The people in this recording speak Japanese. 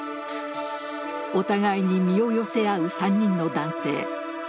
お互いに身を寄せ合う３人の男性。